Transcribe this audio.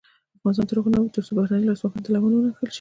افغانستان تر هغو نه ابادیږي، ترڅو بهرنۍ لاسوهنې ته لمن ونه وهل شي.